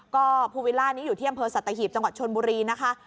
ก็ภูวิลล่านี้อยู่ที่อำเภอสัตหีบจังหวัดชนบุรีนะคะ